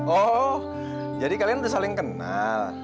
oh jadi kalian udah saling kenal